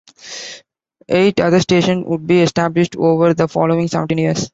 Eight other stations would be established over the following seventeen years.